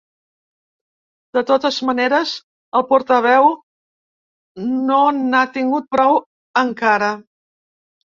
De totes maneres, el portaveu no n’ha tingut prou, encara.